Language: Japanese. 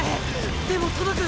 でも届く！